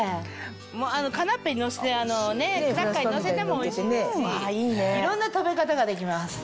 カナッペにのせてクラッカーにのせてもおいしいですしいろんな食べ方ができます。